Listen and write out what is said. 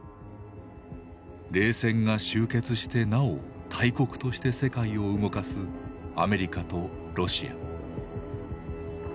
冷戦が終結してなお大国として世界を動かすアメリカとロシア。